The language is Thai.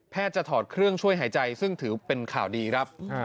จะถอดเครื่องช่วยหายใจซึ่งถือเป็นข่าวดีครับ